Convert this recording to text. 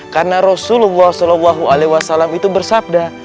karena rasulullah saw itu bersabda